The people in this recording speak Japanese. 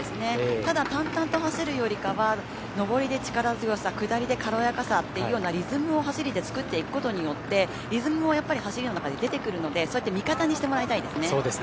ただ淡々と走るよりかは上りで力強さ下りで軽やかさっていうようなリズムを走りで作っていくことでリズムも走りの中で出てくるのでそうやって味方にしてもらいたいですね。